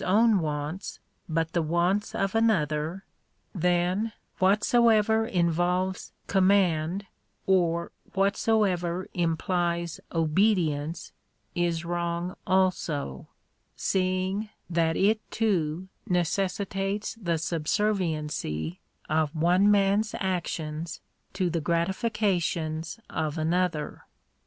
163 own wants, but the wants of another ; then, whatsoever involves command, or whatsoever implies obedience, is wrong also ; seeing that it too, necessitates the subserviency of one man's actions to the gratifications of another.